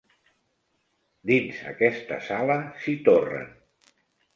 Dins aquesta sala s'hi torren!